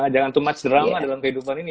jangan terlalu drama dalam kehidupan ini